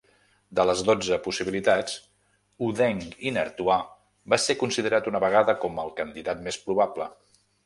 De les dotze possibilitats, Houdenc in Artois va ser considerat una vegada com el candidat més probable.